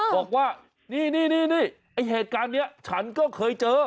บอกว่านี่เนี่ยเงินให้กับเนี๊ยะฉันก็เคยเจอ